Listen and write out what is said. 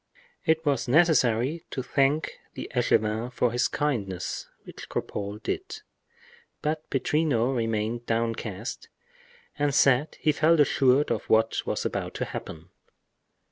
It was necessary to thank the echevin for his kindness, which Cropole did. But Pittrino remained downcast and said he felt assured of what was about to happen.